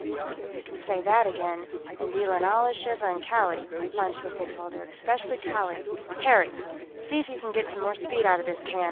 _" "You can say that again, and deal in Allah, Shiva, and Kali," von Schlichten told her. "Especially Kali.... Harry! See if you can get some more speed out of this can.